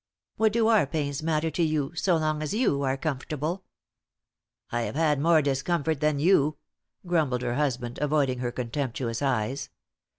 What do our pains matter to you, so long as you are comfortable?" "I have had more discomfort than you," grumbled her husband, avoiding her contemptuous eyes.